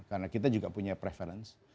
karena kita juga punya preference